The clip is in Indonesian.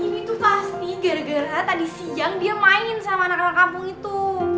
ini tuh pasti gara gara tadi siang dia mainin sama anak anak kampung itu